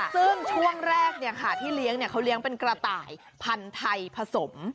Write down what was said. ซึ่งช่วงแรกที่เลี้ยงเขาเลี้ยงเป็นกระต่ายพันธุ์ไทยผสม